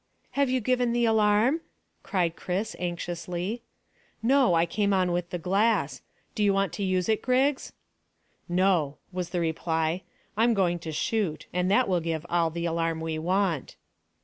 "Have you given the alarm?" cried Chris anxiously. "No; I came on with the glass. Do you want to use it, Griggs?" "No," was the reply. "I'm going to shoot, and that will give all the alarm we want."